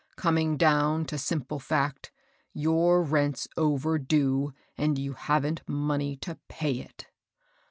Coming down to simple fact, your rent's over due, and you haven't money to pay it."